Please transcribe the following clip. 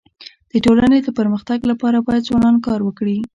د ټولني د پرمختګ لپاره باید ځوانان کار وکړي.